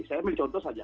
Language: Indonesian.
saya ambil contoh saja